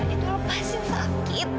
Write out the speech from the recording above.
itu lepasin sakit